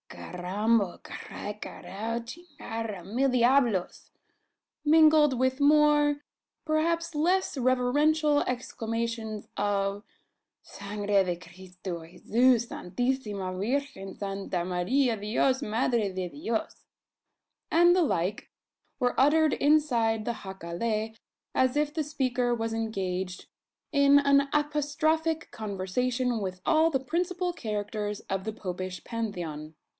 "Carrambo! carrai! carajo chingara! mil diablos!" mingled with more perhaps less reverential exclamations of "Sangre de Cristo! Jesus! Santissima Virgen! Santa Maria! Dios! Madre de Dios!" and the like, were uttered inside the jacale, as if the speaker was engaged in an apostrophic conversation with all the principal characters of the Popish Pantheon.